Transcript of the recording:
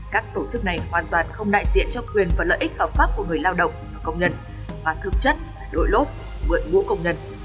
các tổ chức này hoàn toàn không đại diện cho quyền và lợi ích khẩu pháp của người lao động và công nhân